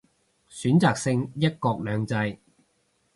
選擇性一國兩制